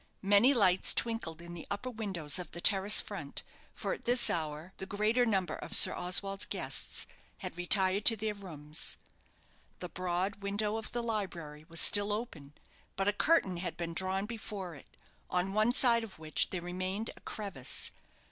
Many lights twinkled in the upper windows of the terrace front, for at this hour the greater number of Sir Oswald's guests had retired to their rooms. The broad window of the library was still open; but a curtain had been drawn before it, on one side of which there remained a crevice.